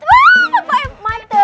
waaaah pak boy mantep